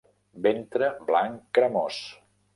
Ventre blanc cremós.